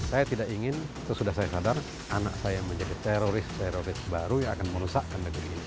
saya tidak ingin sesudah saya sadar anak saya menjadi teroris teroris baru yang akan merusakkan negeri ini